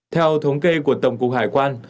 theo thống kê của tổng cục hải quan